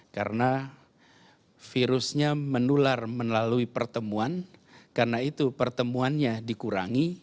karena virusnya menular melalui pertemuan karena itu pertemuannya dikurangi